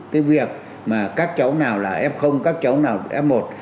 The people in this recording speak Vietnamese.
cái việc mà các cháu nào là f các cháu nào f một